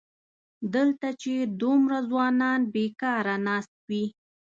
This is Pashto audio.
دلته چې دومره ځوانان بېکاره ناست وي.